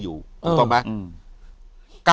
อยู่ที่แม่ศรีวิรัยิลครับ